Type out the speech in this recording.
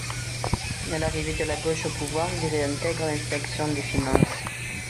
À l'arrivée de la gauche au pouvoir, il réintègre l'inspection des Finances.